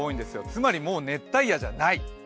つまりもう熱帯夜じゃない。